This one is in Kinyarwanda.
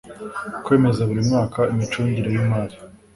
Kwemeza buri mwaka imicungire yimari